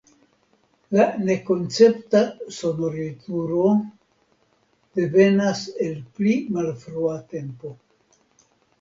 La nekoncepta sonorilturo devenas el pli malfrua tempo.